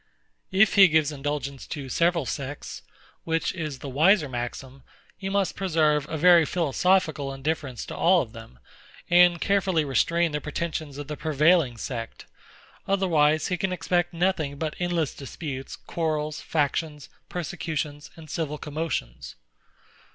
If he gives indulgence to several sects, which is the wiser maxim, he must preserve a very philosophical indifference to all of them, and carefully restrain the pretensions of the prevailing sect; otherwise he can expect nothing but endless disputes, quarrels, factions, persecutions, and civil commotions.